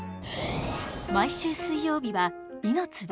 毎週水曜日は「美の壺」。